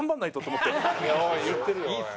言ってるよおい。